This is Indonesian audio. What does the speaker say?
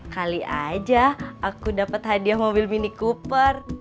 kali aja aku dapat hadiah mobil mini cooper